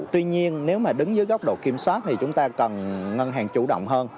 tuy nhiên nếu mà đứng dưới góc độ kiểm soát thì chúng ta cần ngân hàng chủ động hơn